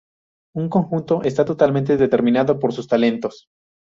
Un conjunto está totalmente determinado por sus elementos.